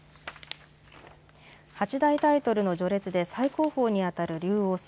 八大タイトルの序列で最高峰にあたる竜王戦。